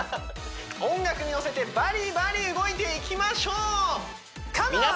音楽に乗せてバリバリ動いていきましょうカモーン！